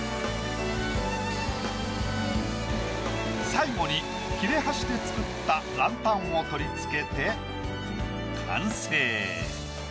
最後に切れ端で作ったランタンを取り付けて完成。